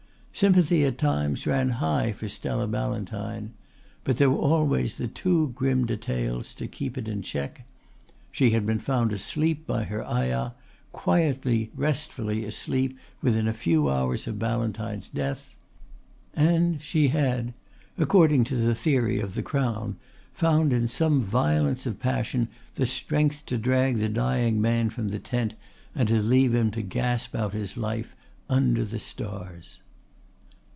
Sympathy at times ran high for Stella Ballantyne, but there were always the two grim details to keep it in check: she had been found asleep by her ayah, quietly restfully asleep within a few hours of Ballantyne's death; and she had, according to the theory of the Crown, found in some violence of passion the strength to drag the dying man from the tent and to leave him to gasp out his life under the stars.